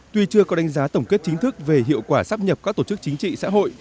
tuy chưa có đánh giá tổng kết chính thức về hiệu quả sắp nhập các tổ chức chính trị xã hội